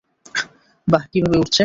বাহ, কিভাবে উড়ছে।